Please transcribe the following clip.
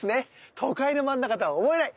都会の真ん中とは思えない。